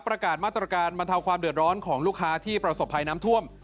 ประกาศมาตรการบรรเทาความเดือดร้อนของลูกค้าที่ประสบภัยน้ำท่วม